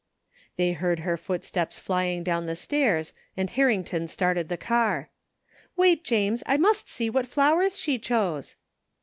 They heard her footsteps flying down the stairs and Harrington started the car. Wait, James, I must see what flowers she chose."